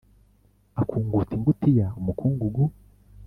Akunguta ingutiya umukungugu